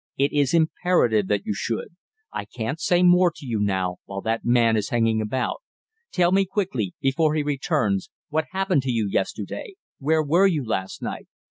It is imperative that you should. I can't say more to you now, while that man is hanging about. Tell me quickly, before he returns: what happened to you yesterday? Where were you last night?"